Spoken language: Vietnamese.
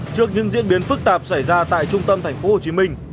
trước những diễn biến phức tạp xảy ra tại trung tâm thành phố hồ chí minh